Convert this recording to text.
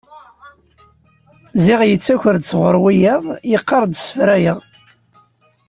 Ziɣ yettaker-d sɣur wiyaḍ, yeqqar-d ssefraweɣ!